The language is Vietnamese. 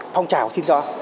phong trào xin cho